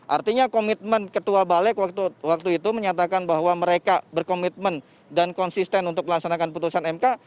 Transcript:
artinya komitmen ketua balik waktu itu menyatakan bahwa mereka berkomitmen dan konsisten untuk melaksanakan putusan mk